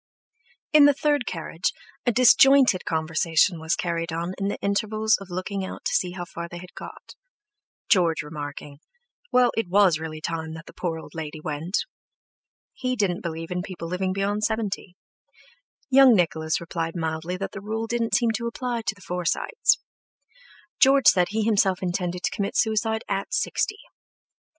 In the third carriage a disjointed conversation was carried on in the intervals of looking out to see how far they had got, George remarking, "Well, it was really time that the poor old lady went." He didn't believe in people living beyond seventy, Young Nicholas replied mildly that the rule didn't seem to apply to the Forsytes. George said he himself intended to commit suicide at sixty.